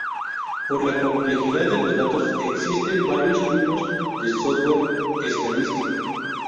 Por la complejidad de los datos existe varios tipos de software estadístico.